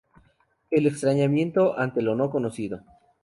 El extrañamiento ante lo no conocido.